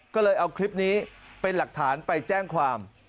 ก็เลยเอาคลิปนี้เป็นหลักฐานไปแจ้งความ